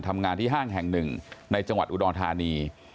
ทำงานที่ห้างแห่งหนึ่งในจังหวัดอุดรธานี